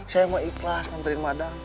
saya mau ikhlas nganterin madang